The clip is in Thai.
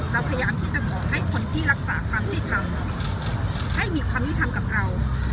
เราพยายามที่จะขอให้คนที่รักษาความวิทยาลัยให้มีความวิทยาลัยกับเรา